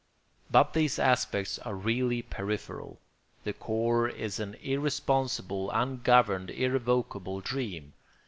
But these aspects are really peripheral; the core is an irresponsible, ungoverned, irrevocable dream.